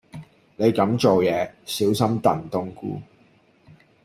你咁做野，小心燉冬菇